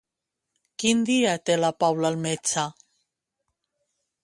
Quin dia té la Paula el metge?